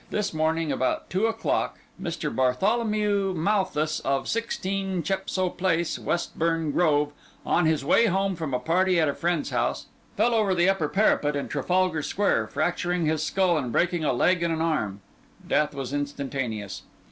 —This morning, about two o'clock, Mr. Bartholomew Malthus, of 16 Chepstow Place, Westbourne Grove, on his way home from a party at a friend's house, fell over the upper parapet in Trafalgar Square, fracturing his skull and breaking a leg and an arm. Death was instantaneous.